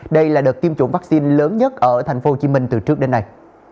đây là đợt tiêm chủng vaccine lớn nhất ở tp hcm từ trước đến nay